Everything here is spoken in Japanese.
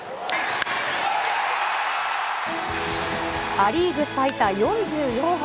ア・リーグ最多４４本。